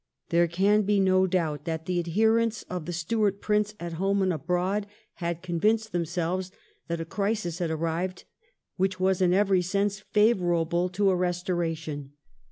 There can be no doubt that the adherents of the Stuart Prince at home and abroad had convinced themselves that a crisis had arrived which was in every sense favourable to a restoration.